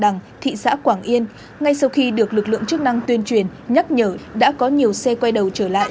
nên ngay sau khi được lực lượng chức năng tuyên truyền nhắc nhở đã có nhiều xe quay đầu trở lại